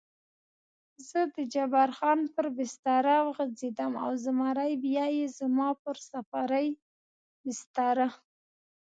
زه د جبار خان پر بستره وغځېدم او زمری بیا زما پر سفرۍ بستره.